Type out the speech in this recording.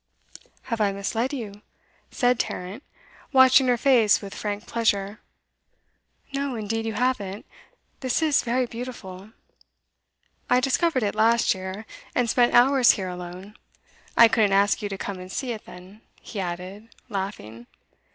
'Have I misled you?' said Tarrant, watching her face with frank pleasure. 'No, indeed you haven't. This is very beautiful!' 'I discovered it last year, and spent hours here alone. I couldn't ask you to come and see it then,' he added, laughing.